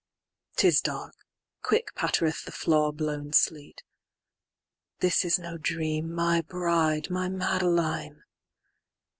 XXXVII.'Tis dark: quick pattereth the flaw blown sleet:"This is no dream, my bride, my Madeline!"